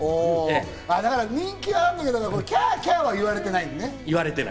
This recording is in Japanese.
だから人気はあるんだけど、キャーキャーは言われてない。